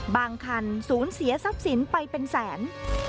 บางคันสูญเสียทรัพย์สินไปเป็นแสน